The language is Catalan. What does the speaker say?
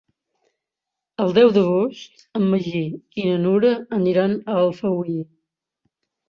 El deu d'agost en Magí i na Nura aniran a Alfauir.